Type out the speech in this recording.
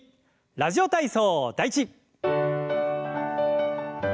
「ラジオ体操第１」。